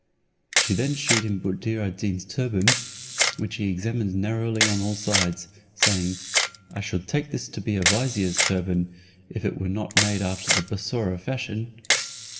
She then shewed him Buddir ad Deen's turban, which he examined narrowly on all sides, saying, "I should take this to be a vizier's turban, if it were not made after the Bussorah fashion."